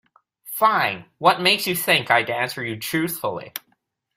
Fine, what makes you think I'd answer you truthfully?